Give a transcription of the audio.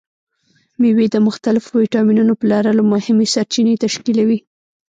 مېوې د مختلفو ویټامینونو په لرلو مهمې سرچینې تشکیلوي.